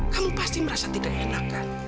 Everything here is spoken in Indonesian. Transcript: kamu pasti merasa tidak enakan